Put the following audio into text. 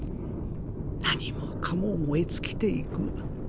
何もかも燃え尽きていく。